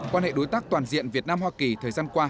quan hệ đối tác toàn diện việt nam hoa kỳ thời gian qua